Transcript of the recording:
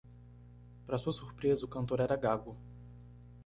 Para sua surpresa, o cantor era gago